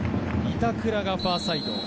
板倉がファーサイド。